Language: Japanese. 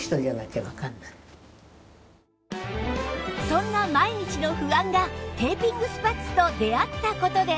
そんな毎日の不安がテーピングスパッツと出会った事で